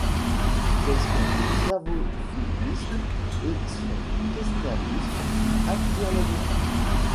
C'est son slavophilisme et son christianisme qui attirent les esprits.